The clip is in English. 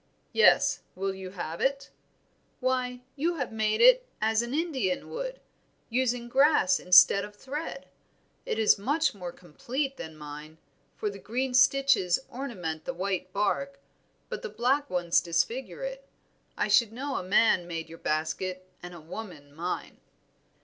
"Yes; will you have it?" "Why, you have made it as an Indian would, using grass instead of thread. It is much more complete than mine, for the green stitches ornament the white bark, but the black ones disfigure it. I should know a man made your basket and a woman mine."